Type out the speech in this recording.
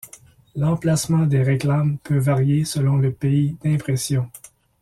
L'emplacement des réclames peut varier selon le pays d'impression.